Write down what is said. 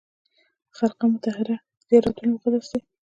خرقه مطهره زیارت ولې مقدس دی؟